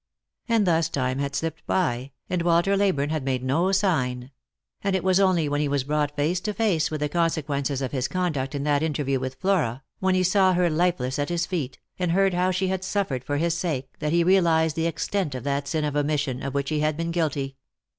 And thus time had slipped by, and Walter Leyburne had made no sign; and it was only when he was brought face to face with the consequences of his conduct in that interview with Flora, when he saw her lifeless at his feet, and heard how she had suffered for his sake, that he realised the extent of that sin of omission of which he had been guilty.